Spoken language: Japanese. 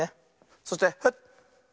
そしてフッ。